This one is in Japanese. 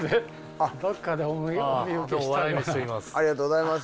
ありがとうございます。